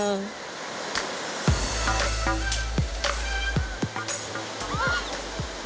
wah capek banget